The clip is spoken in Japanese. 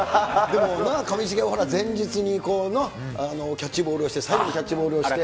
でも上重は前日にキャッチボールをして、最後にキャッチボールをして。